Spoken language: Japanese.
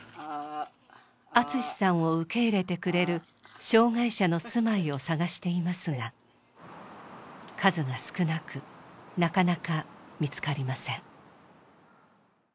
篤志さんを受け入れてくれる障害者の住まいを探していますが数が少なくなかなか見つかりません。